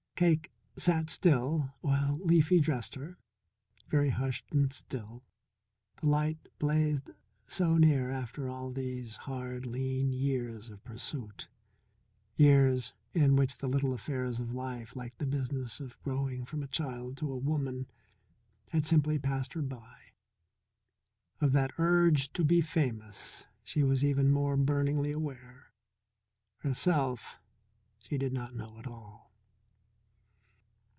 Cake sat still while Leafy dressed her, very hushed and still. The light blazed so near after all these hard, lean years of pursuit, years in which the little affairs of life, like the business of growing from a child to a woman, had simply passed her by. Of that Urge to be famous she was even more burningly aware; herself she did not know at all.